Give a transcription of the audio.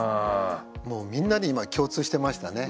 もうみんなに今共通してましたね。